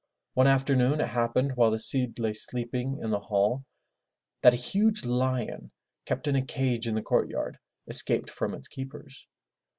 One afternoon it happened while the Cid lay sleeping in the hall, that a huge lion, kept in a cage in the courtyard, escaped from its keepers.